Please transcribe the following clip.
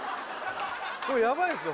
これヤバいですよ